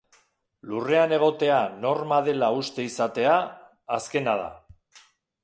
Lurrean egotea norma dela uste izatea, azkena da.